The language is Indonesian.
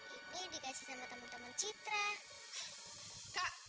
ini dikasih sama teman teman citra